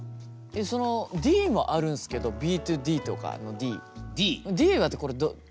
そのＤもあるんすけどＢ２ＤとかのＤ。